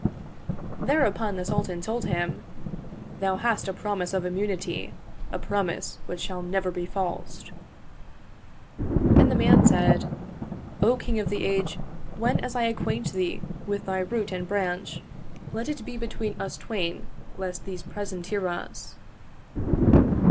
" Thereupon the Sultan told him, " Thou hast a promise of immunity, a promise which shall never be falsed." And the man said, " O King of the Age, when as I acquaint thee with thy root and branch, let it be between 33 Oriental Mystery Stories us twain lest these present hear us."